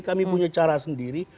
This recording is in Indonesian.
kami punya cara sendiri